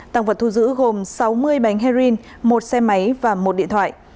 tăng vật thu giữ gồm sáu mươi bánh heroin một xe máy và một điện thoại